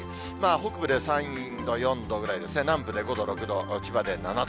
北部で３度、４度ぐらいですね、南部で５度、６度、千葉で７度。